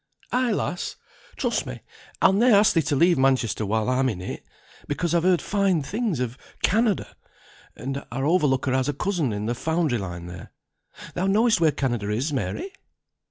"Ay, lass! Trust me, I'll ne'er ask thee to leave Manchester while I'm in it. Because I've heard fine things of Canada; and our overlooker has a cousin in the foundry line there. Thou knowest where Canada is, Mary?"